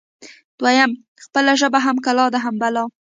دویم: خپله ژبه هم کلا ده هم بلا